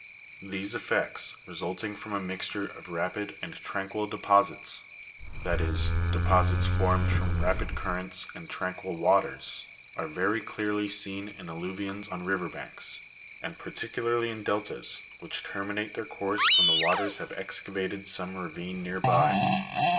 These effects, resulting from a mixture of rapid and tranquil deposits (that is, deposits formed from rapid currents and tranquil waters), are very clearly seen in alluvions on river banks, and par ticularly in deltas, which terminate their course when the waters have excavated some ravine near by.